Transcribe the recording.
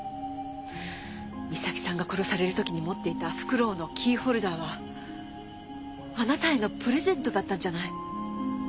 美咲さんが殺されるときに持っていたフクロウのキーホルダーはあなたへのプレゼントだったんじゃない？